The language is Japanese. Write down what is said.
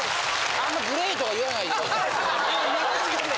あんまグレーとか言わないでくださいね。